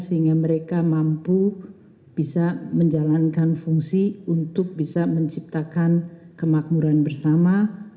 sehingga mereka mampu bisa menjalankan fungsi untuk bisa menciptakan kemakmuran bersama